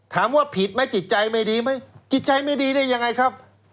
ถามว่าผิดไหมจิตใจไม่ดีไหมจิตใจไม่ดีได้ยังไงครับ